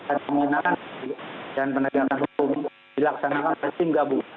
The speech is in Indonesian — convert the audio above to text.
dan pengenalan dan penegakan hukum dilaksanakan oleh tim gabung